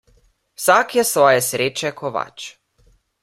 Vsak je svoje sreče kovač.